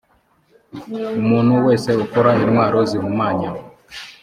umuntu wese ukora intwaro zihumanya